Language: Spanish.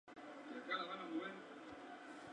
Escribió con asiduidad en "El Imparcial" y "El Liberal".